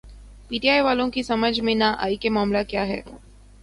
P T I والوں کی سمجھ میں نہ آئی کہ معاملہ کیا ہے۔